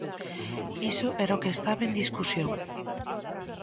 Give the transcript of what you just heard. Iso era o que estaba en discusión.